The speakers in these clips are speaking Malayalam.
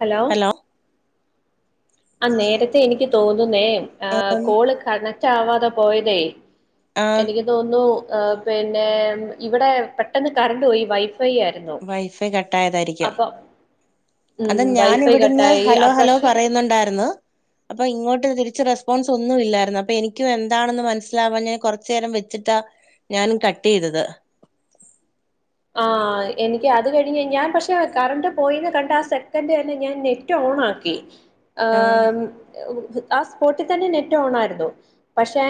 ഹലോ ആ നേരത്തെ എനിക്ക് തോന്നുന്നേ ആ കോള് കണക്റ്റ് ആവാതെ പോയതേ ആഹ് എനിക്ക് തോന്നുന്നു പിന്നെ ഇവിടെ പെട്ടെന്ന് കറണ്ട് പോയി വൈഫൈ ആയി വൈഫൈ കട്ട ആയതായിരിക്കും ഉം അതാ ഞൻ വൈഫൈ ഇവിട്ന്ന് കട്ടായി ഹലോ ആ, ഹലോ പക്ഷെ പറയുന്നുണ്ടായിര്ന്ന് അപ്പൊ ഇങ്ങോട്ട് തിരിച്ച് റെസ്പോൺസ് ഒന്നും ഇല്ലായിരുന്നു അപ്പൊ എനിക്കും എന്താണെന്ന് മനസ്സിലാവാ ഞാൻ കുറച്ച നേരം വെച്ചിട്ടാ ഞാനും കട്ടയ്തത് ആ് എനിക്ക് അത് കഴിഞ്ഞ് ഞാൻ പക്ഷെ കറണ്ട് പോയി കണ്ട ആ സെക്കൻഡ് തന്നെ ഞാൻ നെറ്റ് ഓൺ ആക്കി ആ ആഹ് ആ സ്പോട്ടിൽ തന്നെ നെറ്റ് ഓണയിരുന്നു. പക്ഷെ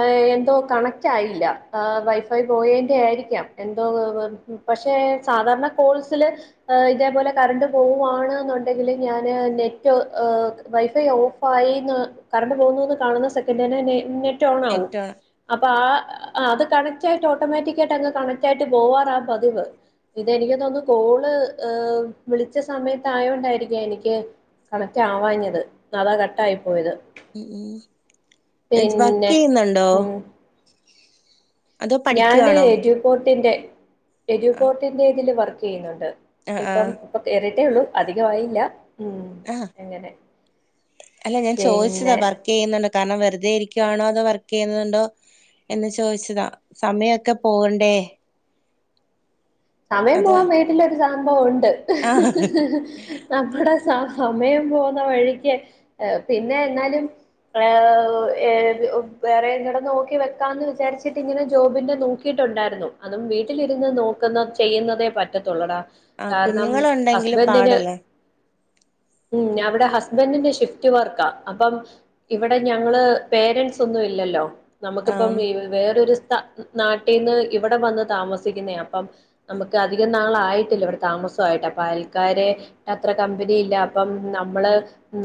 ഏ എന്തോ കണക്റ്റ് ആയില്ല ആ വൈഫൈ പോയേന്റെ ആയിരിക്കാം എന്തോ പക്ഷേ സാധാരണ കോഴ്സില് ആ ഇതേപോലെ കറണ്ട് പോവുവാണ്ന്നുണ്ടെങ്കിൽ ഞാന് നെറ്റ് എ വൈഫൈ ഓഫ് അയിര്ന്ന് കറണ്ട് പോകന്ന് കാണുന്ന സെക്കൻഡ തെന്നെ [unintelligible] നെറ്റ് ഓണവും നെറ്റ് അപ്പ ആ അത് കണക്ട്ട് ഒട്ടോമാറ്റിക്കയിട്ട് അങ്ങ് കണക്ട്ട് ആയിട്ട് പോവാ - പതിവ് ഇതെനിക്ക് തോന്നുന്നു കോള് ഏ വിളിച്ച സമയത്ത ആയോൊണ്ടായിരിക്ക എനിക്ക് കണക്റ്റ് ആവാഞ്ഞത് അതാ കട്ട ആയി പോയത് എജ് പിന്നെ വർക്കയ്യുന്നുണ്ടോ? ഉം ഞാന് പഠിക്കുവാണോ എജുപോർട്ടിറെ ആഹ് എഡുപോർട്ടിറെ ഇതിൽ വർക്ക് ചെയ്യുന്നുണ്ട് ആഹ് ഇപ്പം ആഹ് ഇപ്പൊ കേയറിട്ടേ ഉള്ളൂ അധികമായില്ല ഉം ആഹ അങ്ങനെ അല്ല ഞാൻ ചോദിച്ചതാ പിന്നെ വർക്ക് ചെയ്യുന്നുണ്ടോ കാരണം വെറുതെ ഇരിക്യണോ അതോ വർക്ക് ചെയ്യുന്നുണ്ടോ? എന്ന് ചോദിച്ചതാ സമയമൊക്കെ പോകണ്ടേ? സമയം അത് പോവാൻ വീട്ടിലൊരു സംഭവ ണ്ട്. ആഹ് നമ്മടെ സ സമയം പോകുന്ന വഴിക്ക് പിന്നെ എന്നാലും ഏ ഏ വേറെ എട നോക്കി വെക്കാന്ന് വിചാരിച്ചിട്ട് ഇങ്ങനെ ജോബിന്റെ നോക്കി- യിട്ടുണ്ടായിരുന്നു അതും വീട്ടിലിരുന്ന് നോക്കുന്ന ചെയ്യുന്നതേ പറ്റത്തുള്ളടാ. ആഹ് കാരണം കുഞ്ഞുങ്ങളുണ്ടെങ്കില് ഹസ്ബൻഡിന് പാടല്ലേ ഉം ഞാ വിടെ ഹസ്ബൻറിന്റെ ഷിഫ്റ്റ് വർക്ക ആ അപ്പം ഇവിടെ ഞങ്ങള് പേരൻറ്സ് ഒന്നും ഇല്ലല്ലോ നമുക്കിപ്പം ആഹ് ഇ വേറരു സ്ത നാട്ടിന്ന് ഇവിടെ വന്ന് താമസിക്കുന്നയാ അപ്പം നമുക്ക് അധിക നാളായിട്ടില്ല ഇവിടെ താമസയിട്ട് അപ്പൊ അയൽക്കാരെ ട്ടഅത്ര കമ്പനി ഇല്ല അപ്പം നമ്മള്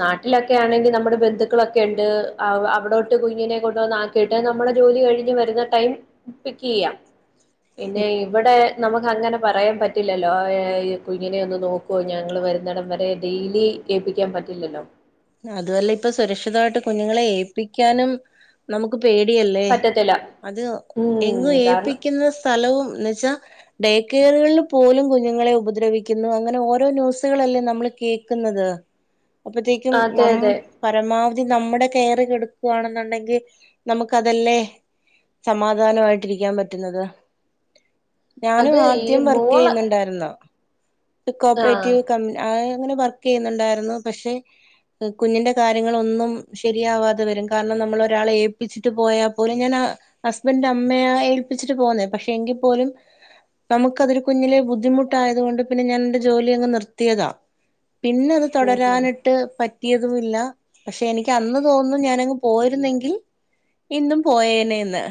നാട്ടിലൊക്കെ ആണെങ്കിൽ നമ്മുടെ ബന്ധുക്കളൊക്കെ ഉണ്ട് അവ അവിടോട്ട് കുഞ്ഞിനെ കൊണ്ടുവന്ന് ആ കേട്ടാ നമ്മുടെ ജോലി കഴിഞ്ഞ് വരുന്ന ടൈം പിക്ക് യ്യാം പിന്നെ ഇവിടെ നമുക്കങ്ങനെ പറയാൻ പറ്റില്ലല്ലോഈ കുഞ്ഞിനെ ഒന്ന് നോക്കോ ഞങ്ങൾ വരുന്നിടം വരെ ഡെയിലി എൾപ്പിക്കാൻ പറ്റില്ലല്ലോ അതുവല്ല ഇപ്പൊ സുരക്ഷിതമായിട്ട് കുഞ്ഞുങ്ങളെ ഏൽപ്പിക്കാനും നമുക്ക് പേടിയല്ലേ പറ്റത്തില്ല അത് എങ് ഉം കാരണം ഏപ്പിക്കുന്ന സ്ഥലവും എന്ന് വച്ചാ ഡേക്കറുകളിൽ പോലും കുഞ്ഞുങ്ങളെ ഉപദ്രവിക്കുന്നു അങ്ങനെ ഓരോ ന്യൂസുകളൾല്ലേ നമ്മൾ കേൾക്കുന്നത് അപ്പത്തേക്കും അതെ നമ്മ അതെ പരമാവധി നമ്മുടെ കെയറ് കെടുക്കുകവാണെന്നുണ്ടെങ്കിൽ നമുക്ക് അതല്ലേ സമാധാനമായിട്ടിരിക്കാൻ പറ്റുന്നത് ഞാനും അത് ഈ ആദ്യം വർക്ക് മോള് ചെയ്യുന്നുണ്ടായിരുന്നോ ആഹ് കോഓപ്പറേറ്റീവ് ക അങ്ങനെ വർക്ക് ചെയ്യുന്നുണ്ടായിരുന്നു പക്ഷെ കുഞ്ഞിന്റെ കാര്യങ്ങ ഒന്നും ശരിയാവാതെ വരും കാരണം നമ്മൾ ഒരാളെ ഏൽപ്പിച്ചിട്ട് പോയാൽ പോലും ഞാൻ ആ ഹസ്ബന്റിന്റെ അമ്മയ ഏൽപ്പിച്ചിട്ട് പോന്നേ പക്ഷെ എങ്കിൽ പോലും നമുക്ക് അതൊരു കുഞ്ഞിന് ബുദ്ധിമുട്ടായത കൊണ്ട് പിന്നെ ഞൻ എന്റെ ജോലി അങ് നിർത്തിയതാ പിന്നെ അത് ഉം ഉം തുടരാനിട്ട് പറ്റ റ്റിയതുമില്ല പക്ഷെ എനിക്ക് അന്ന് തോന്നും ഞാനങ്ങ് പോയിരുന്നെങ്കിൽ ഇന്നും പോയേനെന്ന്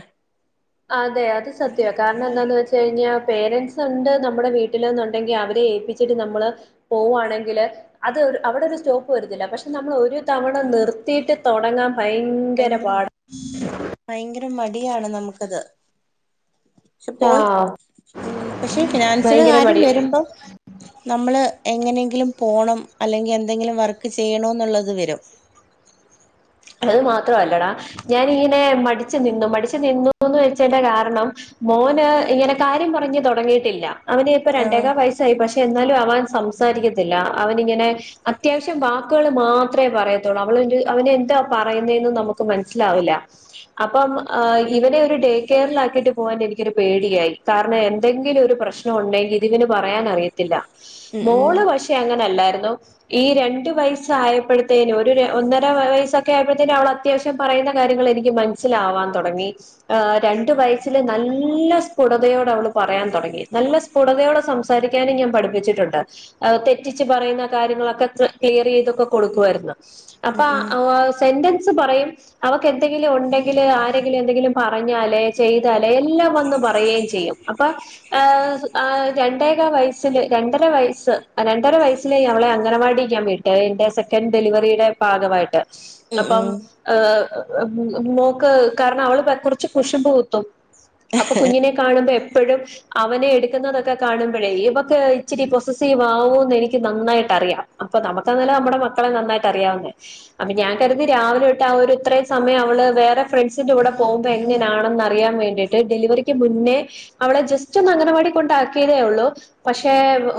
അതെ അത് സത്യമാണ് കാരണം എന്താന്ന് വെച്ച കഴിഞ്ഞാൽ പേരന്റ്സ് ഉണ്ട് നമ്മുടെ വീട്ടിലന്നുണ്ടെങ്കിൽ അവരെ ഏപ്പിച്ച ച്ട്ട് നമ്മള് പോകുവാണെങ്കില് അത് അവിടെ ഒരു സ്റ്റോപ്പ് വരത്തില്ല പക്ഷെ നമ്മൾ ഒരു തവണ നിർത്തിയിട്ട് തുടങ്ങാൻ ഭയങ്കര പാടാ ഭയങ്കര മടിയാണ് നമുക്കത് പക്ഷെ പോയി ആഹ് ഉം പക്ഷെ ഫിനാൻസിന് ഭയങ്കര കാര്യം മടിയാ വരുമ്പോ നമ്മള് എങ്ങനെങ്കിലും പോണം അല്ലെങ്കിൽ എന്തെങ്കിലും വർക്ക് ചെയ്യണോ എന്നുള്ളത് വരും അത് മാത്രല്ലടാ ഞാൻ ഇങ്ങനെ മടിച്ച് നിന്നു മടിച്ചു നിന്നുന്ന് വെച്ച്ന്റെ കാരണം മോന് ഇങ്ങനെ കാര്യം പറഞ്ഞ് തു തൊടങ്ങിയിട്ടില്ല അവന് ഇപ്പം ആഹ് രണ്ടേകാ വയ അയി പക്ഷെ എന്നാലും അവൻ സംസാരിക്കത്തില്ല അവൻ ഇങ്ങനെ അത്യാവശ്യം വാക്കുകൾ മാത്രേ പറയത്തുള്ളൂ അവള് എ അവന് എന്താ പറയുന്നേന്ന് നമുക്ക് മനസ്സിലാവില്ല അപ്പം ഇവനെ ഒരു ഡേകെയറിലാക്കിയിട്ട് പോകാൻ എനിക്കൊരു പേടിയായി കാരണം എന്തെങ്കിലും ഒരു പ്രശ്ന ലൊണ്ടെങ്കിൽ ഇതിന് പറയാനറിയത്തില്ല. ഉം ഉം മോള് പക്ഷെ ക്കെ അങ്ങനല്ലായിരുന്നു, ഈ രണ്ടു വയസ്സായപ്പോഴത്തേനും ഒരു ഒന്നര വയസ്സൊ ക്കെ ആയപ്പോഴത്തേെനും അവൾ അത്യാവശ്യം പറയുന്ന കാര്യങ്ങൾ എനിക്ക് മനസ്സിലാവാൻ തുടങ്ങി ആഹ് രണ്ടു വയസ്സില് നല്ല സ്ഫുടതയോടെ അവള് പറയാൻ തുടങ്ങി നല്ല സ് സ്ഫുടതയോടെ സംസാരിക്കാനും ഞാൻ പഠിപ്പിച്ചിട്ടുണ്ട് തെറ്റിച്ച് പറയുന്ന കാര്യങ്ങളൊക്കെ ക്ലിയർ ചെയ്തൊക്കെ കൊടുക്കുവായിരുന്നു ഉം അപ്പൊ ഉം സെന്റൻസ് പറയും അവക്ക് എന്തെങ്കിലും ഉണ്ടെങ്കില് ആരെങ്കിലും എന്തെങ്കിലും പറഞ്ഞാലേ ചെയ്താലേ എല്ലാം വന്ന് പറയുകയും ചെയ്യും അപ്പ രണ്ടേകാ വയസ്സില് രണ്ടര വയസ്സ് രണ്ടര വയസ്സിലേ ഞാൻ അവളെ അംഗനവാടി ഞാൻ വി എന്റെ സെക്കൻഡ് ഡെലിവറിയുടെ ഭാഗമായിട്ട് ഉം അപ്പം ഉം മോക്ക് കാരണം അവള് കുറച്ച് കുഷുമ്പ് കുത്തും അപ്പൊ കുഞ്ഞിനെ കാണുമ്പോ എപ്പോഴും അവനെ എടുക്കുന്നതൊക്കെ കാണുമ്പോഴേ ഇവക്ക് ഇച്ചിരി പൊസസീവ് ആവൂന്ന് എനിക്ക് നന്നായിട്ട് അറിയാം അപ്പൊ നമുക്കങ്ങനെ നമ്മുടെ മക്കളെ നന്നായിട്ട് അറിയാവുന്നേ അപ്പൊ ഞാൻ കരുതി രാവിലെ തൊട്ട് ആ ഒരുത്രേം സമയം അവൾ വേറെ ഫ്രണ്ട്സിൻ്റെ കൂടെ പോകുമ്പോൾ എങ്ങനെയാണെന്ന് അറിയാൻ വേണ്ടിയിട്ട് ഡെലിവറി ക്ക് മുന്നേ അവളെ ജസ്റ്റ് ഒന്ന് അംഗനവാടി കൊണ്ടാക്കിയതേ ഉള്ളൂ പക്ഷെ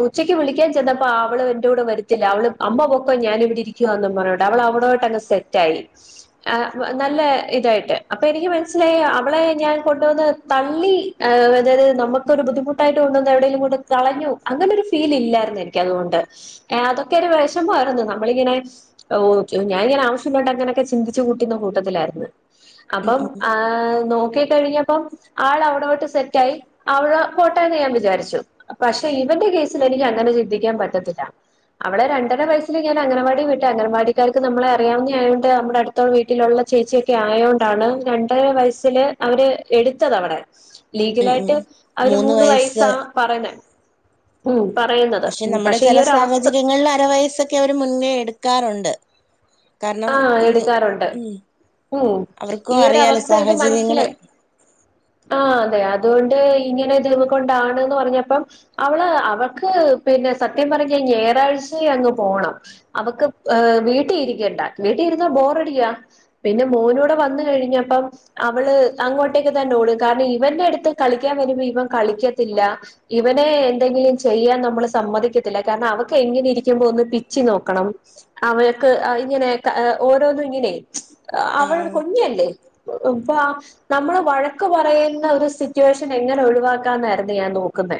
ഉച്ചക്ക് വിളിക്കാൻ ചെന്നപ്പോ അവള് എന്റെ കൂടെ വരുത്തില്ല അവള് അമ്മ പൊക്കോ ഞാനിവിടിരിക്ക ക്കുവാന്നും പറഞ്ഞോണ്ട്, അവള് അവടോട്ട് അങ്ങ് സെറ്റ് ആയി ആഹ് നല്ല ഇതായിട്ട് അപ്പൊ എനിക്ക് മനസ്സിലായി അവളെ ഞാൻ കൊണ്ടുവന്ന് തള്ളി ഏഹ് അതായത് നമുക്ക് ഒരു ബുദ്ധിമുട്ടായിട്ട് കൊണ്ടുവന്ന് എവിടേലും കൊണ്ട് കളഞ്ഞു അങ്ങനെ ഒരു ഫീൽ ഇല്ലായിരുന്നു എനിക്ക് അതുകൊണ്ട് ഏഹ് അതൊക്കെ ഒരു വെശമായിരുന്നു നമ്മളിങ്ങനെ ഓ ഞാനിങ്ങനെ ആവശ്യ പിന്നോട്ടങ്ങനൊക്കെ ചിന്തിച്ചു കൂട്ടുന്ന കൂട്ടത്തിലാരുന്നു ഉം അപ്പം ഉം ആഹ് നോക്കികഴിഞ്ഞപ്പം ആളവിടോട്ട് സെറ്റായി അവള് പോട്ടേന്ന് ഞാൻ വിചാരിച്ചു പക്ഷെ ഇവന്റെ കേസിലെനിക്കങ്ങനെ ചിന്തിക്കാൻ പറ്റത്തില്ല അവളെ രണ്ടരവയസ്സില് ഞാൻ അംഗനവാടി വിട്ടെ അംഗനവാടിക്കാർക്ക് നമ്മളെ അറിയാവുന്ന ണ്ട് നമ്മടെ അടുത്തവീട്ടിലൊള്ള ചേച്ചിയൊക്കെ ആയോണ്ടാണ് രണ്ടര വയസ്സില് അവര് എടുത്തതവടെ ഉം ഉം ലീഗലായിട്ട് അവര് മൂന്ന് വയസാ പറയുന്നെ ഉം പറയുന്ന പക്ഷെ നമ്മടെ ചില സാഹചര്യങ്ങളിൽ അര വയസ്സൊക്കെ അവര് മുന്നേ എടുക്കാറുണ്ട് കാരണം ആഹ് കുഞ്ഞ് എടുക്കാറൊണ്ട് ഉം ഉം അവർക്കും അറിയാലോ ഈയൊരവസ്ഥ ഇത് സാഹചര്യങ്ങള് മനസ്സിലായി ആഹ് അതെ അതുകൊണ്ട് ഇങ്ങനെ ഇതിനിമേകൊണ്ടാണെന്ന് പറഞ്ഞപ്പം അവള് അവൾക്ക് പിന്നെ സത്യം പറഞ്ഞാ ഞായറാഴ്ചയും അങ്ങ് പോണം അവക്ക് ഹ് വീട്ടി ഇരിക്കണ്ട വീട്ടി ഇരുന്നാ ബോറടിയാ പിന്നെ മോനൂടെ വന്ന് കഴിഞ്ഞപ്പം അവള് അങ്ങോട്ടേക്ക് തന്നെ ഓടും കാരണം ഇവന്റെ അടുത്ത് കളിക്കാൻ വരുമ്പോ ഇവൻ കളിക്കത്തില്ല ഇവനെ എന്തെങ്കിലും ചെയ്യാൻ നമ്മള് സമ്മതിക്കത്തില്ല, കാരണം അവക്ക് എങ്ങനെ ഇരിക്കുമ്പോ ഒന്ന് പിച്ചി നോക്കണം അവൾക്ക് ആ ഇങ്ങനെ ക ഓരോന്നും ഇങ്ങനെ അവൾ ആഹ് കുഞ്ഞല്ലേ [unintelligible] നമ്മള് വഴക്കു പറയുന്ന ഒരു സിറ്റുവേഷൻ എങ്ങനെ ഒഴിവാക്കാൻ എന്നായിരുന്നു ഞാൻ നോക്കുന്നത്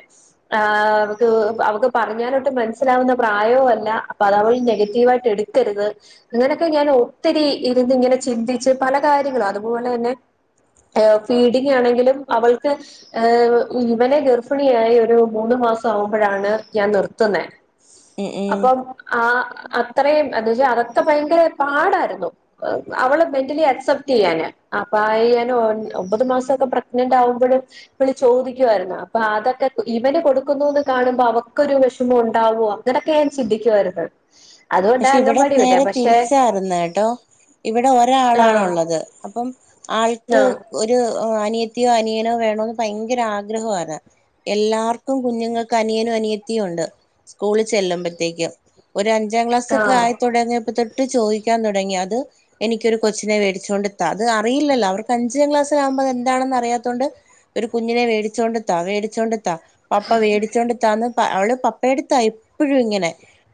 ആഹ് അവക്ക് അവക്ക് പറഞ്ഞാലൊട്ട് മനസ്സിലാവുന്ന പ്രായോവല്ല അപ്പ അത് അവൾ നെഗറ്റീവായിട്ട് എടു ത്തരുത് ഇങ്ങനെയൊക്കെ ഞാനൊത്തിരി ഇരുന്ന് ഇങ്ങനെ ചിന്തിച്ച് പല കാര്യങ്ങളും അതുപോലെ തന്നെ ഏഹ് ഫീഡിങ്ങാണെങ്കിലും അവൾക്ക് ഏവ് ഇവനെ ഗർഭിണിയായി ഒരു മൂന്ന് മാസം ആവുമ്പോഴാണ് ഞാൻ നിർത്തുന്നെ ഉം ഉം അപ്പം ആഹ് അത്രയും എന്തുവച്ചാ അതൊക്കെ ഭയങ്കര പാടായിരുന്നു അവള് മെന്റലി അക്സെപ്റ്റ്യ്യാന് അപ്പ പയ്യാനേ ഒമ്പത് മാസൊക്കെ പ്രഗ്നന്റ് ആവുമ്പോഴും ഇവള് ചോദിക്കുവാരുന്നു അപ്പൊ അതൊക്കെ ഇവന് കൊടുക്കുന്നു എന്ന് കാണുമ്പോ അവക്കൊരു വിഷമം ഉണ്ടാവുവ അങ്ങൊക്കെ ഞാൻ ചിന്തിക്കുവാരുന്നു അതുകൊണ്ടാ അംഗൻവാടി വിട്ടെ പക്ഷെ തിരിച്ചരുന്നു കേട്ടോ ഇവിടെ ആഹ് ഒരാളാണൊള്ളത് അപ്പം ആൾക്ക് ആഹ് തി ഒരു അനിയത്തിയോ അനിയനോ വേണോന്ന് ഭയങ്കര ആഗ്രഹവാരുന്ന് എല്ലാർക്കും കുഞ്ഞുങ്ങക്ക് അനിയനും അനിയത്തിയൊണ്ട് സ്കൂളിൽ ചെല്ലുമ്പത്തേക്ക് ഒരു അഞ്ചാം ക്ലാസൊക്കെ ആഹ് ആയി തുടങ്ങിയപ്പത്തൊ ട്ട് ചോയിക്കാൻ തൊടങ്ങി അത് എനിക്കൊരു കൊച്ചിനെ വേടിച്ചോണ്ട്താ അത് അറിയില്ലോ അവർക്ക് അഞ്ചാം ക്ലാസ്സിലാവുമ്പ അത് എന്താണെന്ന് അറിയാത്തോണ്ട് ഒരു കുഞ്ഞിനെ വേടിച്ചോണ്ട്ത്താ വേടിച്ചോണ്ട്ത്താ പപ്പ വേടിച്ചൊണ്ട്‌ത്താന്ന് അവള് പപ്പെടുത്താ എപ്പോഴും ഇങ്ങനെ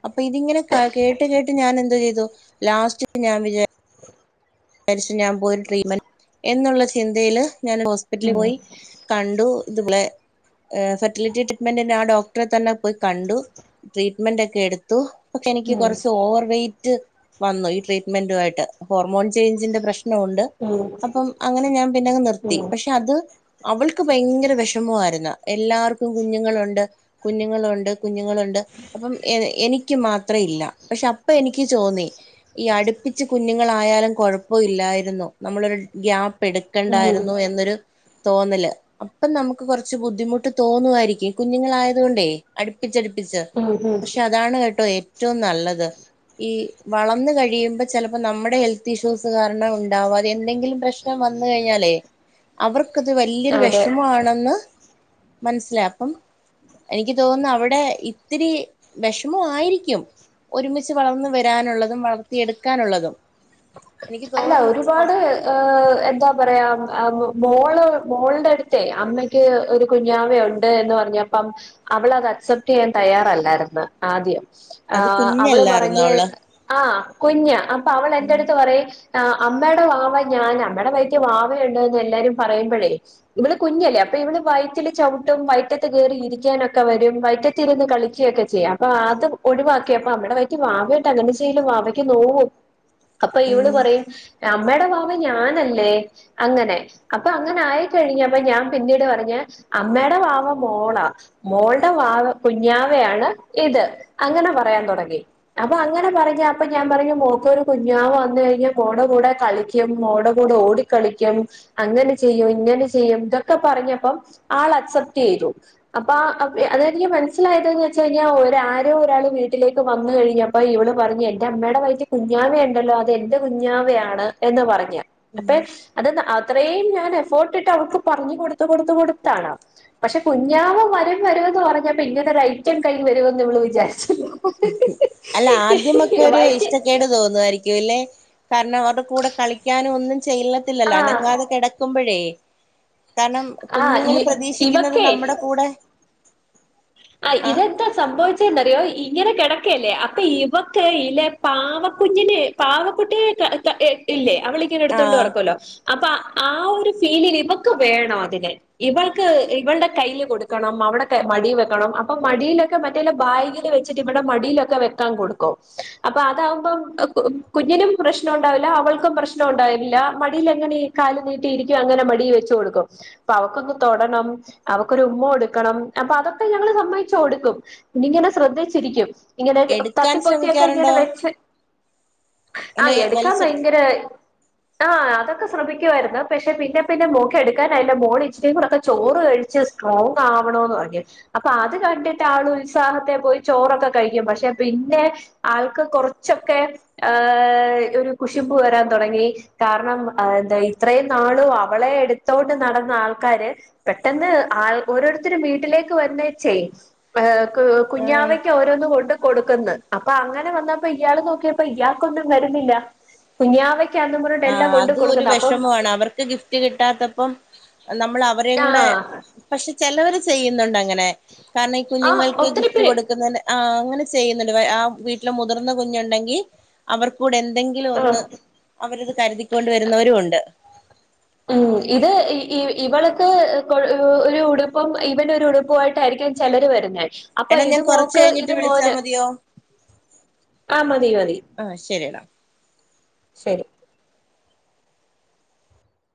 അപ്പൊ ഇതിങ്ങനെ ത്താ കേട്ട് കേട്ട് ഞാൻ എന്തു ചെയ്തു ലാസ്റ്റ് ഞാൻ വിജാ വിചാരിച്ച് ഞാൻ പോയി ട്രീറ്റ്മെന്റ് എന്നുള്ള ചിന്തയില് ഞാൻ ഹോസ്പിറ്റലിൽ ഉം പോയി കണ്ടു ഇതുപോലെ ഏഹ് ഫെർട്ടിലിറ്റി ട്രീറ്റ്മെന്റിന് ആഹ് ഡോക്ടറെ തന്നെ പോയി കണ്ടു ട്രീറ്റ്മെന്റൊക്കെ എടുത്തു പക്ഷെ എനിക്ക് കൊറച്ച് ഓവർ വെയ്റ്റ് വന്നു ഈ ട്രീറ്റ്മെന്റുവായിട്ട് ഹോർമോൺ ചെയിഞ്ചിന്റെ പ്രശ്നം ഒണ്ട് ഉം ഉം അപ്പം അങ്ങനെ ഞാൻ പിന്നങ്ങ് നിർത്തി ഉം പക്ഷെ അത് അവൾക്ക് ഭയങ്കര വിഷമാരുന്ന് എല്ലാർക്കും കുഞ്ഞുങ്ങളുണ്ട് കുഞ്ഞുങ്ങളൊണ്ട് കുഞ്ഞുങ്ങള് ണ്ട്‌ അപ്പം എയ് എനിക്ക് മാത്രം ഇല്ല പക്ഷെ അപ്പം എനിക്ക് തോന്നി ഈ അടുപ്പിച്ച് കു ഞ്ഞുങ്ങളായാലും കുഴപ്പൊ ഇല്ലായിരുന്നു നമ്മളൊരു ഗ്യാപ്പ് ഉം എടുക്കണ്ടായിരുന്നു എന്നൊരു തോന്നല് അപ്പം നമുക്ക് കുറച്ച് ബുദ്ധിമുട്ട് തോന്നുവായിരിക്കും കുഞ്ഞുങ്ങളായത് കൊണ്ടേ അടുപ്പിച്ചടു പ്പിച്ച് ഉം ഉം പക്ഷെ അതാണ് കേട്ടോ ഏ റ്റവും നല്ലത് ഈ വളർന്ന് കഴിയുമ്പോ ചെലപ്പോ നമ്മുടെ ഹെൽ ഇഷ്യൂസ് കാരണം ഉണ്ടാവാതെ എന്തെങ്കിലും പ്രശ്നം വന്നു കഴിഞ്ഞാലേ അവർക്കത് വലിയൊരു അതെ വിഷമമാണെന്ന് മനസ്സിലാക്കും എനിക്ക് തോന്നുന്നു അവിടെ ഇത്തിരി വിഷമമായിരിക്കും ഒരുമിച്ച് വളർന്ന് വരാനുള്ളതും വളർത്തിയെടുക്കാനുള്ളതും എനിക്ക് അല്ല തോന്നുന്നു കൊറ ഒരുപാട് എഹ് എന്താ പറയാ മോള് മോളിന്റെ അടുത്തു അമ്മയ്ക്ക് ഒരു- കുഞ്ഞാവ ഉണ്ട് എന്ന് പറഞ്ഞപ്പം അവള് അത് അക്സെപ്റ്റ് ചെയ്യാൻ തയ്യാറല്ലായിരുന്നു ആദ്യം അത് ആഹ് അവള് കുഞ്ഞല്ലായിരുന്നോ പറഞ്ഞ് അവള് ആഹ് കുഞ്ഞ അപ്പൊ അവള് എന്റെ ഉം അടുത്ത് പറയും ആഹ് അമ്മയുടെ വാവ ഞാനാ അമ്മടെ വയറ്റി വാവയുണ്ട എന്ന് എല്ലാരും പറയുമ്പോഴേ- ഇവള് കുഞ്ഞല്ലേ അപ്പൊ ഇവള് വയറ്റില് ചവിട്ടും വയറ്റത്ത് കയറി ഇരിക്കാനൊക്കെ വരും വയറ്റത്തി ഇരുന്ന് കളിക്കുകയൊക്കെ- ചെയ അപ്പൊ അത് ഒഴിവാക്കി അപ്പൊ അമ്മേടെ വൈറ്റി വാവായിണ്ട് അങ്ങനെ ചെയ്യല്ല വാവയ്ക്ക് നോവും അപ്പൊ ഇവള് പറയും അമ്മയുടെ വാവ ഞാനല്ലേ അങ്ങനെ അപ്പൊ അങ്ങനെ ആയിക്കഴിഞ്ഞപ്പ ഞാൻ പിന്നീട് പറഞ്ഞ് അമ്മയുടെ വാവ മോളാ മോളുടെ വാവ കുഞ്ഞാവയാണ് ഇത് അങ്ങനെ പറയാൻ തുടങ്ങി അപ്പൊ അങ്ങനെ പറഞ്ഞ അപ്പൊ ഞാൻ പറഞ്ഞു മോക്കൊരു കുഞ്ഞാവ് വന്ന് കഴിഞ്ഞാ മോൾടെ കൂടെ കളിക്കും മോൾടെ കൂടെ ഓടിക്കളിക്കും അങ്ങനെ ചെയ്യും ഇങ്ങനെ ചെയ്യും ഇതൊക്കെ പറഞ്ഞപ്പം ആൾ അക്സെപ്റ്റ് ചെയ്തു അപ്പ അതെനിക്ക് മനസ്സിലായതന്ന് വെച്ച് കഴിഞ്ഞാൽ ആരോ ഒരാൾ വീട്ടിലേക്ക് വന്നു കഴിഞ്ഞാൽ- അപ്പ ഇവള് പറഞ്ഞു എന്റെ അമ്മയുടെ വയറ്റി കുഞ്ഞു ഞാനുണ്ടല്ലോ അത് എന്റെ കുഞ്ഞാവയാണ് എന്ന് പറഞ്ഞ ഉം അപ്പെ അത് അത്രേയും ഞാൻ എഫോർട്ടിട്ട് അവർക്ക് പറഞ്ഞു കൊടുത്ത കൊടുത്ത കൊടുത്താണ്‌ പക്ഷെ കുഞ്ഞാവ വരും വരുമെന്ന് പറഞ്ഞാപ്പ ഇങ്ങനെ ഒരു ഐറ്റം കയ്യിൽ വരുമന്ന് ഇവള് വിചാരിച്ചില്ല [unintelligible] അല്ല ആദ്യമൊക്കെ ഒരു വയറ്റി ഇഷ്ട ക്കേട്- തോന്നുവാരിക്കുംല്ലെ കാരണം അവടെ കൂടെ കളിക്കാനും ഒന്നും ചെയ്യത്തില്ലല്ലോ ആഹ് അനങ്ങാതെ കിട - ക്കുമ്പോഴേ കാരണം ആഹ് കുഞ്ഞുങ്ങൾ പ്രതീക്ഷിക്കുന്നത് ഇവക്കേ നമ്മുടെ കൂടെ ആഹ് ആ ഇതെക്ക സംഭവിച്ചെന്നറിയോ ഇങ്ങനെ കിടക്കല്ലേ അപ്പൊ ഇവക്ക് ഇല്ലെ പാവക്കുഞ്ഞിന് പാവകുട്ടിയ ഇല്ലേ അവള് ഇങ്ങനെ എടുത്തോണ്ട് ആഹ് നടക്കല്ലോ അപ്പൊ ആഹ് ഒരു ഫീലിങ് ഇവക്ക് വേണം അതിനെ ഇവൾക്ക് ഇവളടെ കയ്യില് കൊടുക്കണം അവൾടെ മടി- ണം അപ്പൊ മടിയിലൊക്കെ മറ്റേല്ല ബാഗ വച്ചിട്ട് ഇവിടെ മടിയിലൊക്കെ വെക്കാൻ കൊടുക്കും അപ്പൊ അതാകുമ്പം കുഞ്ഞിനും പ്രശ്നം ഉണ്ടാവില്ല അവൾക്കും പ്രശ്നം ഉണ്ടാവില്ല മടിയിൽ അങ്ങനെ കാല് നീട്ടിയിരിക്കും അങ്ങനെ മടിയി ല് വെച്ചു കൊടുക്കും അപ്പ അവക്കൊന്ന് തൊടണം അവക്കൊരു ഉമ്മ കൊടുക്കണം അപ്പൊ അതൊക്കെ- ഇപ്പ ഞങ്ങള് സമ്മതിച്ചു കൊടുക്കും ഇനി ഇങ്ങനെ ശ്രദ്ധിച്ചിരിക്കും ഇങ്ങനെ എടുക്കാൻ തത്തിപ്പൊത്തിക്കെ ഇങ്ങനെ ശ്രമിക്കാറുണ്ടോ വെച്ച് അങ്ങനെ ആഹ് എടുക്കാൻ വലിച്ചെടുക്ക ഭയങ്കര ആ് അതൊക്കെ ശ്രമിക്കുവായിരുന്നു പക്ഷെ പിന്നെ പിന്നെ മോൾക്ക്‌ എടുക്കാൻ അതിന്റെ മോള് ഇച്ചിയും കൂടെക്കെ ചോറ് കഴിച്ച് സ്ട്രോങ്ങ്ആവണോന്ന് പറഞ്ഞ് അപ്പൊ അത് കണ്ടിട്ട് ആള് ഉത്സാഹത്തെ പോയി ചോറൊക്കെ കഴിക്കും പക്ഷെ പിന്നെ- ആൾക്ക് കുറച്ചൊക്കെ ഹ് ഒരു കുശിമ്പ് വരാൻ തുടങ്ങി കാരണം എന്താ ഇത്രയും നാളും അവളെ എടുത്തോണ്ട് നടന്ന ആൾക്കാര് പെട്ടെന്ന് ആ ഓരോരുത്തരും വീട്ടിലേക്ക്- വന്നെച്ചേ ആഹ് കുഞ്ഞാവയ്ക്ക് ഓരോന്ന് കൊണ്ട് കൊടുക്കന്ന് അപ്പൊ അങ്ങനെ വന്നപ്പ ഇയാള് നോക്കിയപ്പോ ഇയാൾക്കൊന്നും വരുന്നില്ല കുഞ്ഞാവ ആഹ് അതും ഒരു വിഷമമാണ് അവർക്ക് ഗിഫ്റ്റ് കിട്ടാത്തപ്പം നമ്മൾ അവരേ കൂടെ ആഹ് പക്ഷെ ചിലവർ ചെയ്യുന്നുണ്ട് അങ്ങനെ കാരണം ഈ ആഹ് കുഞ്ഞുങ്ങൾക്ക് ഒത്തിരി ഗിഫ്റ്റ് പേര് കൊടുക്കുന്നതിന് - ആഹ് അങ്ങനെ ചെയ്യുന്നുണ്ട് ആഹ് വീട്ടില് മുതിർന്ന കുഞ്ഞുണ്ടെങ്കിൽ അവർക്കൂടെ എന്തെങ്കിലും ആഹ് ഒന്ന് അവരത് കരുതിക്കൊണ്ട് വരുന്നവരും ഉണ്ട് ഉം ഇത് ഇവള്ക്ക് കൊ ഒരു ഉടുപ്പും ഇവനൊരു ഉടുപ്പമായിട്ടായിരിക്കും ചെലര് വരുന്നെ അപ്പൊ എടാ ഞാൻ ഇത് കൊറച്ച് മോക്ക് കഴിഞ്ഞിട്ട് ഇത് വിളിച്ചാ മോന് മതിയോ ആഹ് മതി മതി ആ ശരിയടാ ശരി